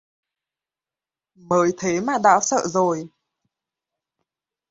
mới thế mà đã sợ rồi